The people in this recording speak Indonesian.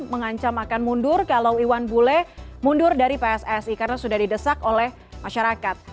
mengancam akan mundur kalau iwan bule mundur dari pssi karena sudah didesak oleh masyarakat